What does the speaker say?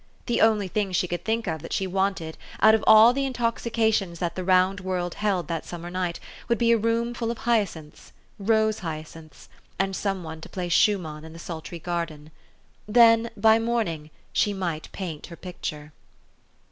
The only thing she could think of that she wanted, out of all the intoxications that the round world held that sum mer night, would be a room full of hyacinths, rose hyacinths, and some one to play Schumann in the sultry garden. Then, by morning, she might paint her picture.